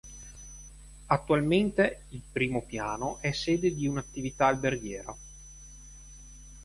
Attualmente, il primo piano è sede di un'attività alberghiera.